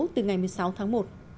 từ ngày một mươi sáu tháng một